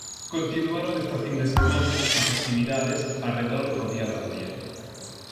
Continuaron esta fin de semana as actividades arredor do día da muller.